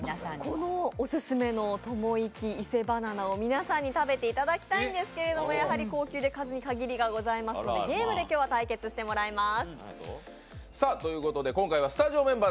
このオススメのともいき伊勢バナナを皆さんに食べていただきたいんですがやはり高級で数に限りがありますのでゲームで今日は対決してもらいます。